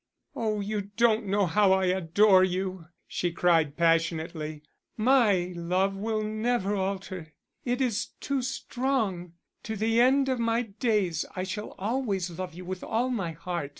"Oh, you don't know how I adore you," she cried passionately. "My love will never alter, it is too strong. To the end of my days I shall always love you with all my heart.